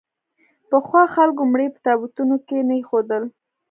پخوا خلکو مړي په تابوتونو کې نه اېښودل.